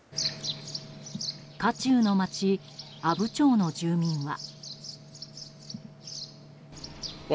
渦中の町阿武町の住民は。